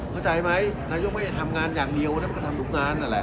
เข้าใจไหมนายกไม่ได้ทำงานอย่างเดียวนะมันก็ทำทุกงานนั่นแหละ